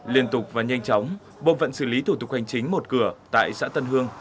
liên tục và nhanh chóng bộ phận xử lý thủ tục hành chính một cửa tại xã tân hương